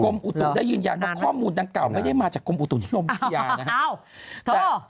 อุตุได้ยืนยันว่าข้อมูลดังกล่าไม่ได้มาจากกรมอุตุนิยมวิทยานะครับ